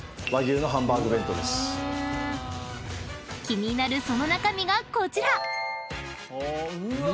［気になるその中身がこちら！］